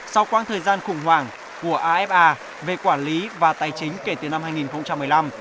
sau quãng thời gian khủng hoảng của afa về quản lý và tài chính kể từ năm hai nghìn một mươi năm